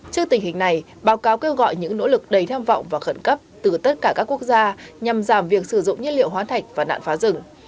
trước tình hình này báo cáo kêu gọi những nỗ lực đầy tham vọng và khẩn cấp từ tất cả các quốc gia nhằm giảm việc sử dụng nhiên liệu hóa thạch và nạn phá rừng